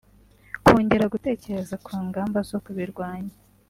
Kongera gutekereza ku ngamba zo kubirwanya